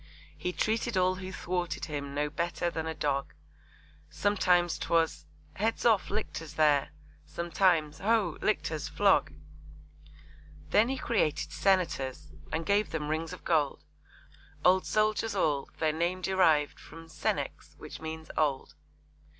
He treated all who thwarted him No better than a dog, Sometimes 'twas 'Heads off, Lictors, there!' Sometimes 'Ho! Lictors, flog!' Then he created Senators, And gave them rings of gold; Old soldiers all; their name deriv'd From 'Senex' which means 'old.'